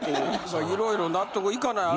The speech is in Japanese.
さあいろいろ納得いかない